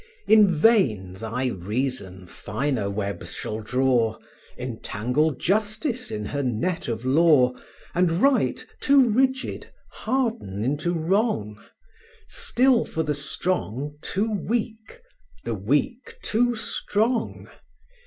In vain thy reason finer webs shall draw, Entangle justice in her net of law, And right, too rigid, harden into wrong; Still for the strong too weak, the weak too strong.